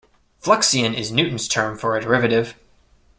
Fluxion is Newton's term for a derivative.